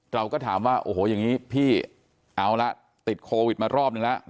เราก็ถามว่าโอ้โหอย่างนี้พี่เอาละติดโควิดมารอบนึงแล้ว